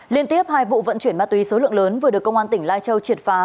liên tiếp hai vụ vận chuyển ma túy số lượng lớn vừa được công an tỉnh lai châu triệt phá